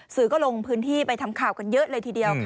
สื่อก็ลงพื้นที่ไปทำข่าวกันเยอะเลยทีเดียว